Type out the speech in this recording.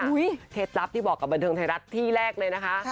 อุ้ยเทศรัพย์ที่บอกกับบรรเทิงไทยรัฐที่แรกเลยนะคะ